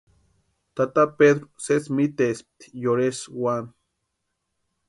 Tata Pedru sési mitespti yorhesï úani.